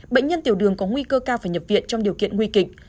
bệnh nhân tiểu đường có nguy cơ cao phải nhập viện trong điều kiện nguy kịch